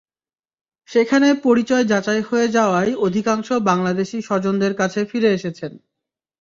সেখানে পরিচয় যাচাই হয়ে যাওয়ায় অধিকাংশ বাংলাদেশি স্বজনদের কাছে ফিরে এসেছেন।